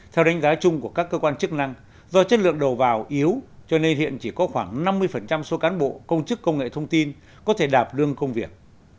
theo đánh giá chung của các cơ quan chức năng do chất lượng đầu vào yếu cho nên hiện chỉ có khoảng năm mươi số cán bộ công chức công nghệ thông tin có thể đạp lương công việc